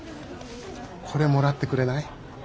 これもらってくれない？